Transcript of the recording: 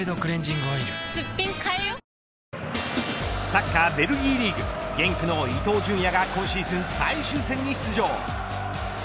サッカーベルギーリーグゲンクの伊東純也が今シーズン最終戦に出場。